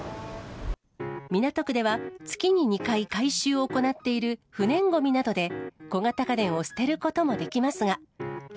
港区では月に２回、回収を行っている不燃ごみなどで、小型家電を捨てることもできますが。